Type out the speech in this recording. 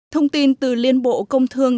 thông tin từ liên bộ công thương